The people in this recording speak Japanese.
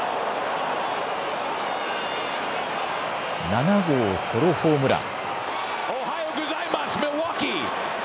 ７号ソロホームラン。